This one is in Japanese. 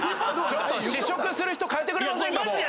試食する人かえてくれませんか